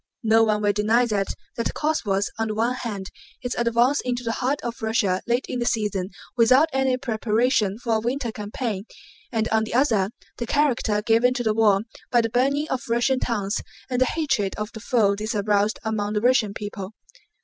No one will deny that that cause was, on the one hand, its advance into the heart of Russia late in the season without any preparation for a winter campaign and, on the other, the character given to the war by the burning of Russian towns and the hatred of the foe this aroused among the Russian people.